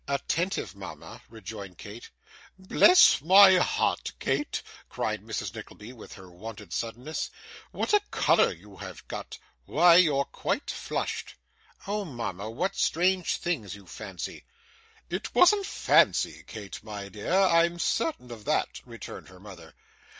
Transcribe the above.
'Attentive, mama!' rejoined Kate. 'Bless my heart, Kate!' cried Mrs. Nickleby, with her wonted suddenness, 'what a colour you have got; why, you're quite flushed!' 'Oh, mama! what strange things you fancy!' 'It wasn't fancy, Kate, my dear, I'm certain of that,' returned her mother.